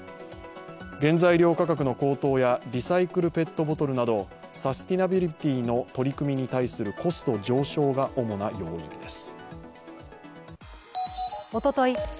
原材料価格の高騰やリサイクルペットボトルなど、サスティナビリティーの取り組みに対するコスト上昇が主な要因です。